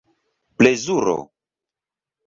plezuro